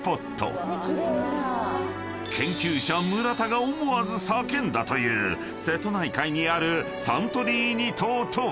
［研究者村田が思わず叫んだという瀬戸内海にあるサントリーニ島とは？］